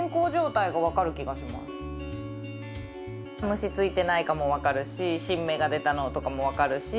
虫ついてないかも分かるし新芽が出たのとかも分かるし。